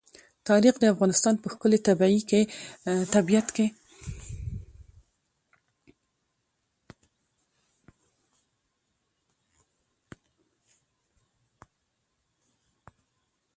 تاریخ د افغانستان په ښکلي طبیعت کې یو ډېر مهم او پیاوړی رول لري.